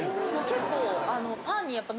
結構。